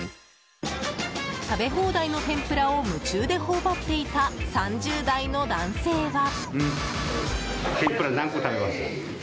食べ放題の天ぷらを夢中で頬張っていた３０代の男性は。